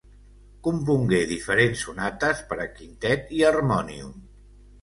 Compongué diferents sonates per a quintet i harmònium.